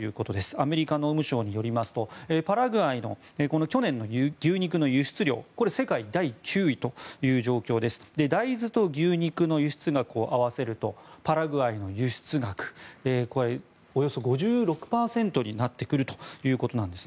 アメリカ農務省によりますとパラグアイの去年の牛肉の輸出量世界で第９位という状況で大豆と牛肉の輸出額を合わせるとパラグアイの輸出額およそ５６％になってくるということです。